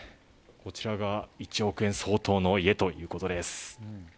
こちらが１億円相当の家ということです。